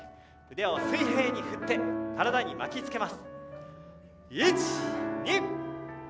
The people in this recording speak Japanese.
腕を水平に振って体に巻きつけます。